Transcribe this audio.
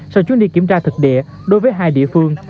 sau chuyến đi kiểm tra thực địa đối với hai địa phương